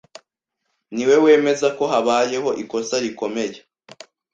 niwe wemeza ko habayeho ikosa rikomeye